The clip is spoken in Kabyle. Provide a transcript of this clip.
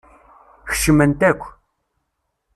Kecment akk.